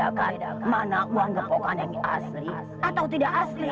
aku akan membedakan mana uang kepokan yang asli atau tidak asli